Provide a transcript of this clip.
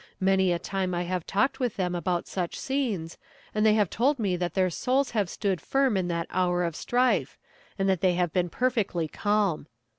Many a time I have talked with them about such scenes, and they have told me that their souls have stood firm in that hour of strife, and that they have been perfectly calm.